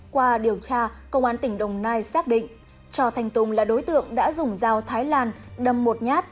qua điều tra công an tỉnh đồng nai xác định cho thanh tùng là đối tượng đã dùng dao thái lan đâm một nhát